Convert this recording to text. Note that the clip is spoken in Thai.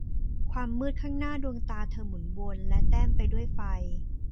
ความมืดข้างหน้าดวงตาเธอหมุนวนและแต้มไปด้วยไฟ